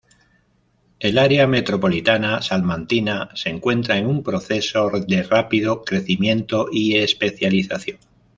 El área metropolitana salmantina se encuentra en un proceso de rápido crecimiento y especialización.